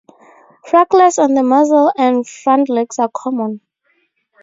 Freckles on the muzzle and front legs are common.